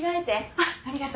あっありがと。